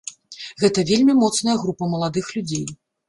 Гэта вельмі моцная група маладых людзей.